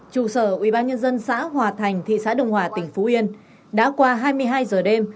chủ sở ubnd xã hòa thành thị xã đồng hòa tỉnh phú yên đã qua hai mươi hai h đêm